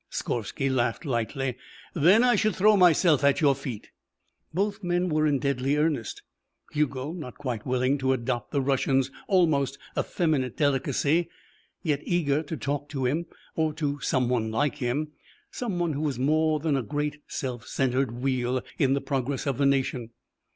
Skorvsky laughed lightly. "Then I should throw myself at your feet." Both men were in deadly earnest, Hugo not quite willing to adopt the Russian's almost effeminate delicacy, yet eager to talk to him, or to someone like him someone who was more than a great self centred wheel in the progress of the nation.